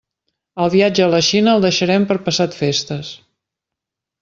El viatge a la Xina el deixarem per passat festes.